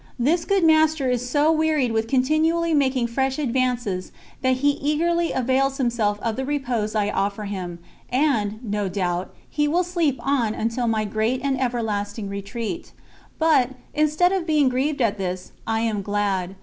This Good Master is so wearied with continually making fresh advances that He eagerly avails Himself of the repose I offer Him, and, no doubt, He will sleep on until my great and everlasting retreat; but, instead of being grieved at this, I am glad.